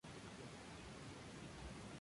Un himno para un pueblo", "Compartiendo.